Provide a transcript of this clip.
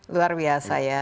luar biasa ya